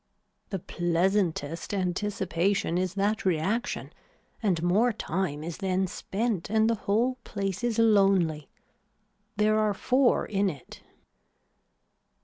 The pleasantest anticipation is that reaction and more time is then spent and the whole place is lonely. There are four in it.